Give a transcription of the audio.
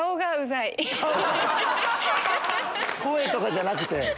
声とかじゃなくて。